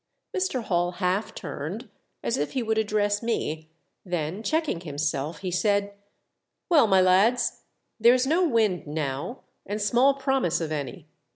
Mr. Hall half turned, as if he would address me, then checkinof himself, he said, "Well, my lads, there's no wind now, and small promise of any.